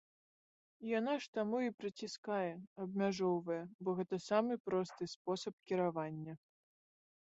Яна ж таму і прыціскае, абмяжоўвае, бо гэта самы просты спосаб кіравання.